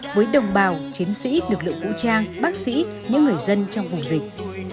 với đồng bào chiến sĩ lực lượng vũ trang bác sĩ những người dân trong vùng dịch